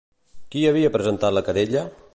Qui havia presentat la querella?